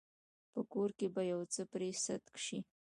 په کور کې به يو څه پرې سد شي.